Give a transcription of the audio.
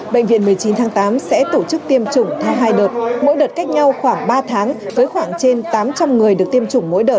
bệnh viện một mươi chín tháng tám sẽ tổ chức tiêm chủng theo hai đợt mỗi đợt cách nhau khoảng ba tháng với khoảng trên tám trăm linh người được tiêm chủng mỗi đợt